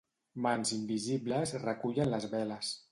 Mans invisibles recullen les veles.